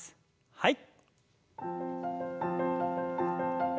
はい。